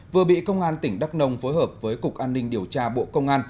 vừa bị công an tỉnh đắk nông phối hợp với cục an ninh điều tra bộ công an